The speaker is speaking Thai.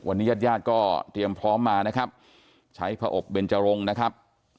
วันนี้ญาติญาติก็เตรียมพร้อมมานะครับใช้ผอบเบนจรงนะครับ